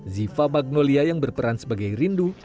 zifa magnolia yang berperan sebagai rindu